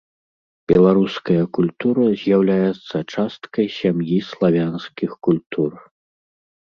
Беларуская культура з'яўляецца часткай сям'і славянскіх культур.